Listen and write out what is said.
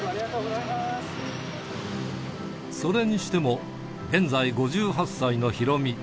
それにしても、現在５８歳のヒロミ。